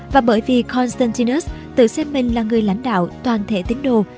và bởi vì constantinus tự xem mình là người lãnh đạo toàn thể tính đồ